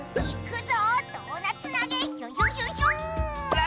いくぞ！